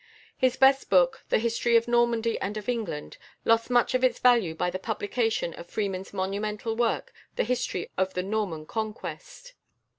His best book, the "History of Normandy and of England," lost much of its value by the publication of Freeman's monumental work, "The History of the Norman Conquest."